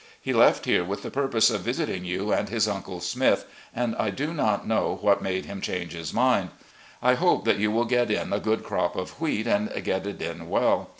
He left here with the purpose of visiting you and his tmcle Smith, and I do not know what made him change his mind. I hope that you will get in a good crop of wheat, and get it in well.